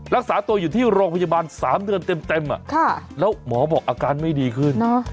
รักษาตัวอยู่ที่โรงพยาบาล๓เดือนเต็มแล้วหมอบอกอาการไม่ดีขึ้น